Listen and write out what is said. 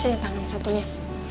sini tangan satunya